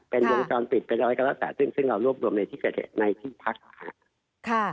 เป็นวงจรปิดเป็นอลิกรัสตะซึ่งซึ่งเราร่วมในที่เกรดในที่พัก